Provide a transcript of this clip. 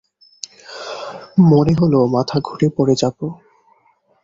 মনে হল মাথা ঘুরে পড়ে যাব।